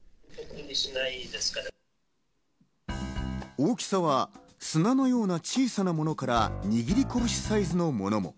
大きさは砂のような小さなものから握りこぶしサイズのものも。